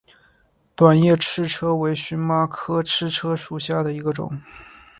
短叶赤车为荨麻科赤车属下的一个种。